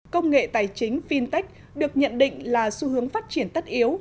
công nghệ tài chính fintech được nhận định là xu hướng phát triển tất yếu